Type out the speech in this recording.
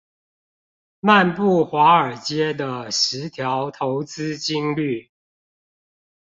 漫步華爾街的十條投資金律